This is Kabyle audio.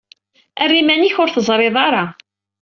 Err iman-ik ur t-teẓṛiḍ ara.